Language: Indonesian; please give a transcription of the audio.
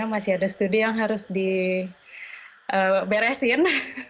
masih ada studi yang harus diberesin